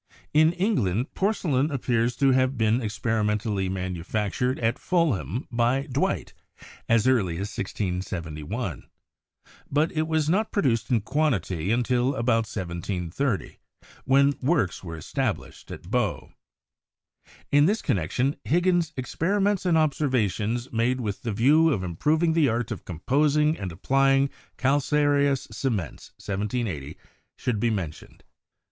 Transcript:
In England, porcelain appears to have been experimen tally manufactured at Fulham, by Dwight, as early as 1671 ; but it was not produced in quantity until about 1730, when works were established at Bow. In this connection, Higgins' 'Experiments and Observations made with the view of Improving the Art of composing and applying Calcareous Cements' (1780) should be mentioned.